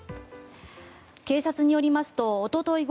警察によりますとおととい